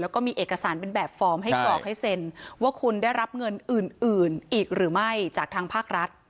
แล้วก็มีเอกสารเป็นแบบฟอร์มให้กรอกให้เซ็นว่าคุณได้รับเงินอื่นอีกหรือไม่จากทางภาครัฐ